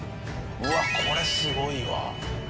うわっこれすごいわ。